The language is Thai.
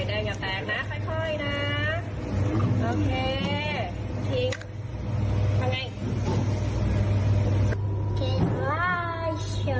ได้ไหมไข่ได้อย่าแปลกนะค่อยนะ